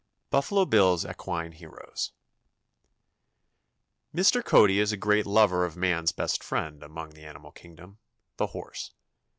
BUFFALO BILL'S EQUINE HEROES. Mr. Cody is a great lover of man's best friend among the animal kingdom the horse.